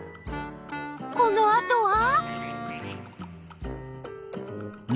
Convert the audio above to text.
このあとは？